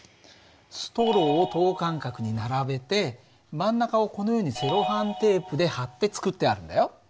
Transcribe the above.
ストローを等間隔に並べて真ん中をこのようにセロハンテープで貼って作ってあるんだよ。